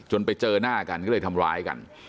ไปเจอหน้ากันก็เลยทำร้ายกัน